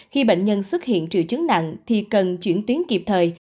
khi bệnh nhân xuất hiện triệu chứng nặng thì cần chuyển tuyến kịp thời